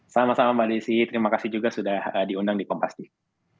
sama sama mbak desi terima kasih juga sudah diundang di kompastif